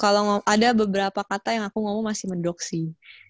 kalau ada beberapa kata yang aku ngomong masih mendoksi